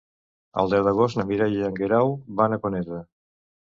El deu d'agost na Mireia i en Guerau van a Conesa.